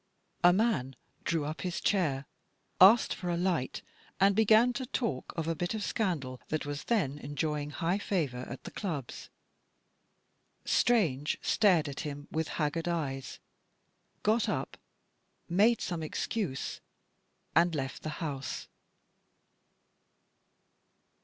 A man drew up his chair, asked for a light, and began to talk of a bit of scandal that was then enjoying high favour at the clubs. Strange stared at him with haggard eyes, got up, made some excuse, and left the house.